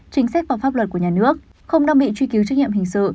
chính sách và pháp luật của nhà nước không đang bị truy cứu trách nhiệm hình sự